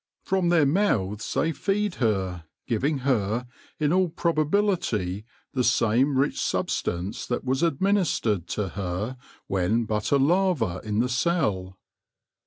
From their mouths they feed her, giving her, in all probability, the same rich substance that was ad ministered to her when but a larva in the cell.